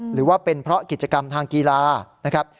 หรือว่าเป็นเพราะกิจกรรมทางกีฬานะครับ